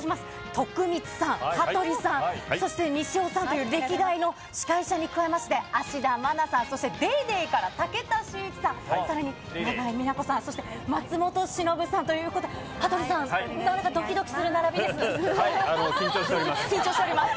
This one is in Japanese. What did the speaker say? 徳光さん、羽鳥さん、そして西尾さんという、歴代の司会者に加えまして、芦田愛菜さん、そしてＤａｙＤａｙ．から武田真一さん、それに永井美奈子さん、松本志のぶさんということで、羽鳥さん、緊張しております。